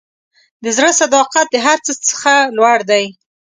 د زړه صداقت د هر څه څخه لوړ دی.